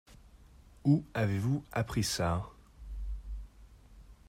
Où avez-vous appris ça ?